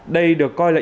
đây được coi là yếu tố